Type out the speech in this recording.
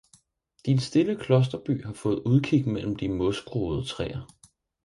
din stille klosterby har fået udkig mellem de mosgroede træer.